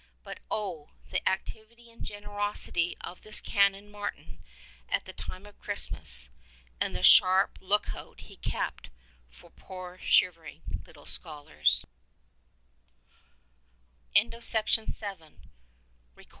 But oh, the activity and generosity of this Canon Martin at the time of Christmas, and the sharp look out he kept for poor shiv ering little scholars I 74 A BELOVED PUPIL.